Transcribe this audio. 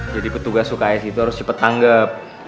jadi petugas uks itu harus cepet tanggep